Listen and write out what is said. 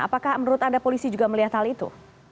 apakah menurut anda polisi juga melihat hal itu